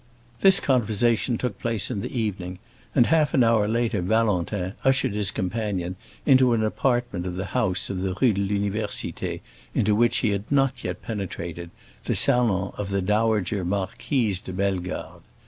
This conversation took place in the evening, and half an hour later Valentin ushered his companion into an apartment of the house of the Rue de l'Université into which he had not yet penetrated, the salon of the dowager Marquise de Bellegarde.